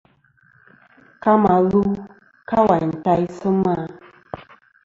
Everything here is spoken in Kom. Ka mà lu ka wàyn taysɨ ma.